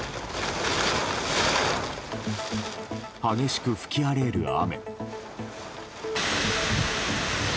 激しく吹き荒れる雨。